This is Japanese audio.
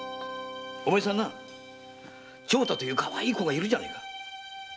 お前さんには長太というかわいい子がいるじゃねえか。